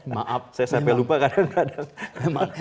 maaf saya sampai lupa kadang kadang